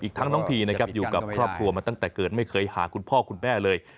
ทั้งน้องพีนะครับอยู่กับครอบครัวมาตั้งแต่เกิดไม่เคยหาคุณพ่อคุณแม่เลย